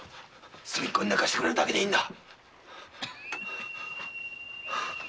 隅っこに寝かしてくれるだけでいいんだ。